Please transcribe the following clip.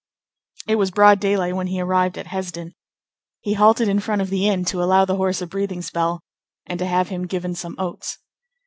It was broad daylight when he arrived at Hesdin. He halted in front of the inn, to allow the horse a breathing spell, and to have him given some oats.